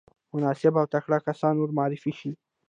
مناسب او تکړه کسان ورمعرفي شي.